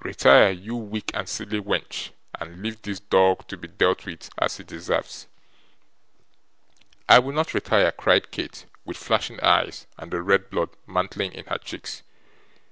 Retire, you weak and silly wench, and leave this dog to be dealt with as he deserves.' 'I will not retire,' cried Kate, with flashing eyes and the red blood mantling in her cheeks.